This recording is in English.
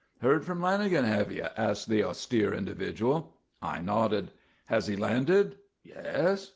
"Heard from Lanagan, have you?" asked that austere individual. I nodded. "Has he landed? Yes?